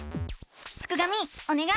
すくがミおねがい！